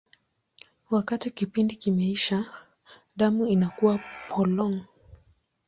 Wakati kipindi kimeisha, damu inakuwa polong.